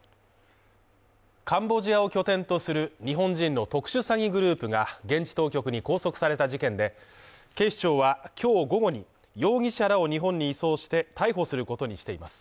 カンボジアを拠点とする日本人の特殊詐欺グループが現地当局に拘束された事件で警視庁は、今日午後にも容疑者らを日本に移送して逮捕することにしています。